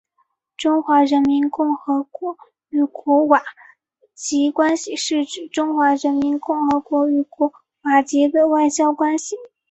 中华人民共和国与图瓦卢关系是指中华人民共和国与图瓦卢的外交关系。